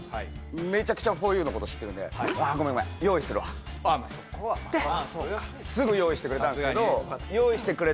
めちゃくちゃふぉゆのこと知ってるんでってすぐ用意してくれたんですけど用意してくれ